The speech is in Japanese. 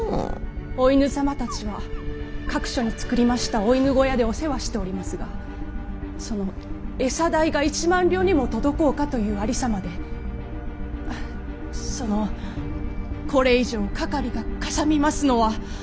お犬様たちは各所に作りましたお犬小屋でお世話しておりますがその餌代が１万両にも届こうかというありさまでそのこれ以上かかりがかさみますのは。